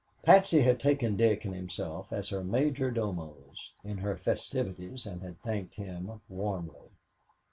Patsy had taken Dick and himself as her major domos in her festivities and had thanked him warmly.